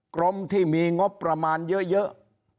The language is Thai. กรมที่มีงบประมาณเยอะ